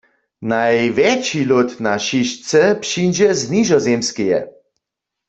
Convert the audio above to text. Najwjetši lód na šišce přińdźe z Nižozemskeje.